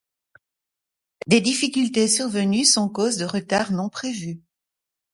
Des difficultés survenues sont cause de retards non prévus.